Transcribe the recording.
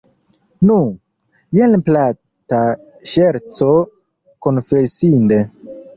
Nu, jen plata ŝerco, konfesinde.